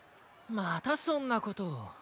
またそんなことを。